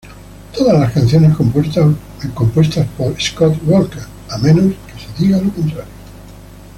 Todas las canciones compuestas por Scott Walker, a menos que se diga lo contrario.